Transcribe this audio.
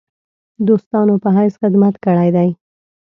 دوستانو په حیث خدمت کړی دی.